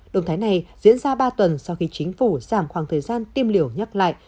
động thái này diễn ra ba tuần sau khi chính phủ giảm khoảng thời gian tiêm liều nhắc lại